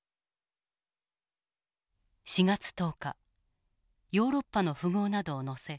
４月１０日ヨーロッパの富豪などを乗せ